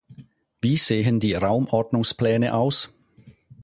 Wie sehen die Raumordnungspläne aus?